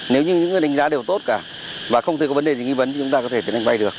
nếu như những đánh giá đều tốt cả và không thể có vấn đề gì nghi vấn thì chúng ta có thể tiến hành vay được